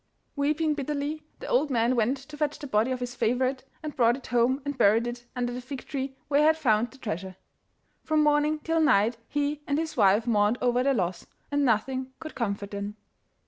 Weeping bitterly, the old man went to fetch the body of his favourite, and brought it home and buried it under the fig tree where he had found the treasure. From morning till night he and his wife mourned over their loss, and nothing could comfort them.